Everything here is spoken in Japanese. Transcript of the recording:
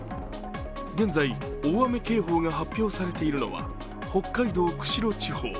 現在、大雨警報が発表されているのは北海道釧路地方。